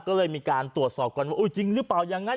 ก็เลยมีการตรวจสอบกันว่าอุ้ยจริงหรือเปล่าอย่างนั้น